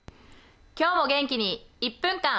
今日も元気に「１分間！